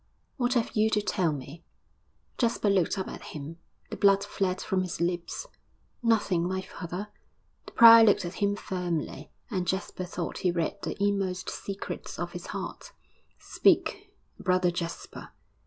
'What have you to tell me?' Jasper looked up at him; the blood fled from his lips. 'Nothing, my father!' The prior looked at him firmly, and Jasper thought he read the inmost secrets of his heart. 'Speak, Brother Jasper!'